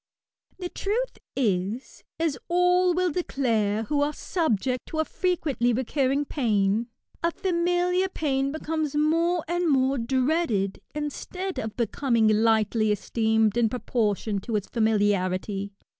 The truth is, as all will declare who are subject to a frequently recurring pain, a familiar pain becomes more and more dreaded, instead of becoming lightly esteemed in proportion to its familiarity.